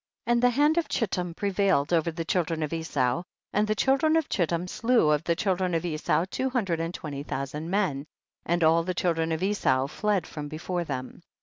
4. And the hand of Chittim pre vailed over the children of Esau, and the children of Chittim slew of the children of Esau two and twenty thousand men, and all the children of Esau fled from before them.